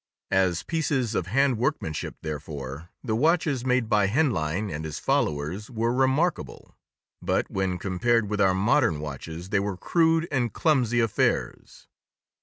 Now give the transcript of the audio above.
As pieces of hand workmanship, therefore, the watches made by Henlein and his followers were remarkable; but when compared with our modern watches, they were crude and clumsy affairs.